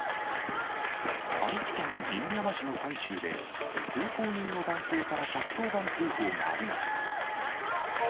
愛知県犬山市の山中で、通行人の男性から１１０番通報がありました。